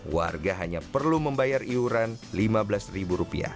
warga hanya perlu membayar iuran rp lima belas